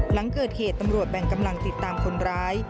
หลังเกิดเหตุตำรวจแบ่งกำลังติดตามคนร้าย